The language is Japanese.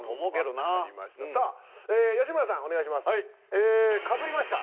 ええかぶりました